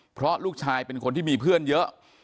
เพราะลูกชายเป็นคนที่มีเพื่อนเยอะ